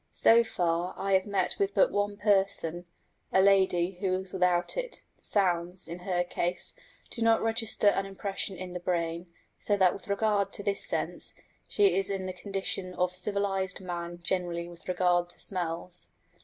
So far, I have met with but one person, a lady, who is without it: sounds, in her case, do not register an impression in the brain, so that with regard to this sense she is in the condition of civilised man generally with regard to smells.